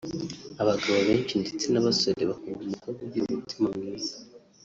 Abagabo benshi ndetse n’abasore bakunda umukobwa ugira umutima mwiza